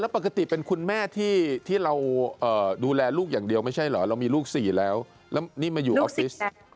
ปกติเป็นคุณแม่ที่เราดูแลลูกอย่างเดียวไม่ใช่เหรอเรามีลูก๔แล้วแล้วนี่มาอยู่ออฟฟิศ